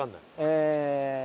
ええ。